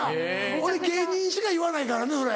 俺芸人にしか言わないからなそれ。